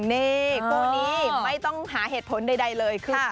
นี่คู่นี้ไม่ต้องหาเหตุผลใดเลยคือ